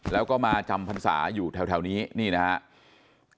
แล้วก็มาจำพรรษาอยู่แถวนี้นี่นะครับ